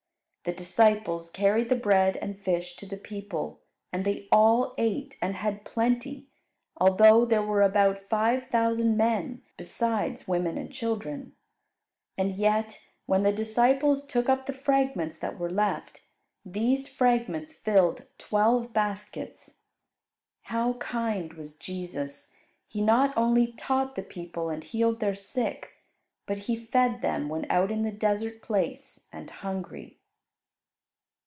The disciples carried the bread and fish to the people and they all ate and had plenty, although there were about five thousand men, besides women and children. And yet, when the disciples took up the fragments that were left, these fragments filled twelve baskets. How kind was Jesus! He not only taught the people and healed their sick, but He fed them when out in the desert place and hungry.